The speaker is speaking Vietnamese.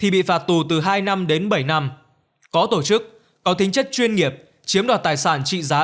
bị phạt tù từ hai năm đến bảy năm có tổ chức có tính chất chuyên nghiệp chiếm đoạt tài sản trị giá